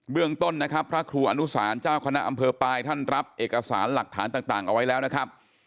เรื่องต้นนะครับพระครูอนุสารเจ้าคณะอำเภอปลายท่านรับเอกสารหลักฐานต่างเอาไว้แล้วนะครับ